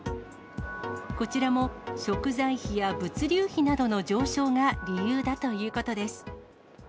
こちらも食材費や物流費などの上昇が理由だということです。